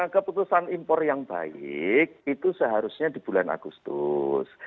keputusan impor yang baik itu seharusnya di bulan agustus